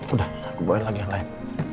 udah aku bawain lagi yang lain